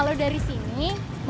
kota jawa tenggara